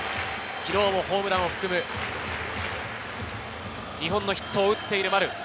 昨日もホームランを含む２本のヒットを打っている丸。